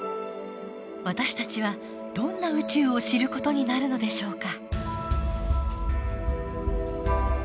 私たちはどんな宇宙を知る事になるのでしょうか。